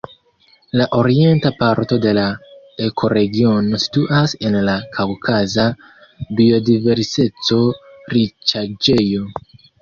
La orienta parto de la ekoregiono situas en la kaŭkaza biodiverseco-riĉaĵejo.